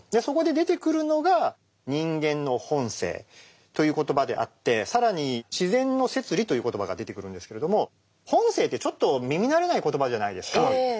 そこで出てくるのが「人間の本性」という言葉であって更に「自然の摂理」という言葉が出てくるんですけれども「本性」ってちょっと耳慣れない言葉じゃないですか。